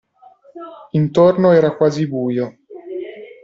Intorno era quasi buio.